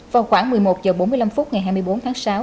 vào khoảng một mươi một h bốn mươi năm phút ngày hai mươi bốn tháng sáu